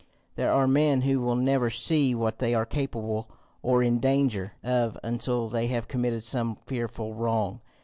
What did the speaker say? There are men who will never see what they are capable or in danger of until they have committed some fearful wrong.